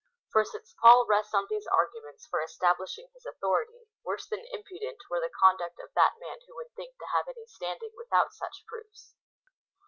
For since Paul rests on these arguments for establishing his authority, worse than impu dent were the conduct of that man who would think to have any standing without such proofs.